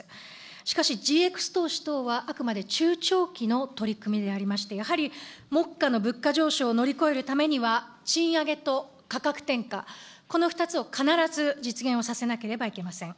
しかし、ＧＸ投資等は、あくまで中長期の取り組みでありまして、やはり目下の物価上昇を乗り越えるためには、賃上げと価格転嫁、この２つを必ず実現をさせなければいけません。